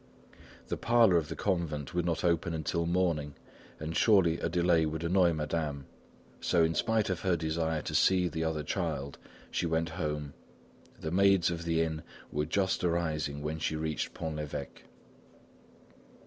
The parlour of the convent would not open until morning, and surely a delay would annoy Madame; so, in spite of her desire to see the other child, she went home. The maids of the inn were just arising when she reached Pont l'Evêque.